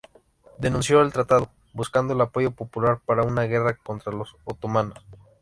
Denunció el tratado, buscando el apoyo popular para una guerra contra los otomanos.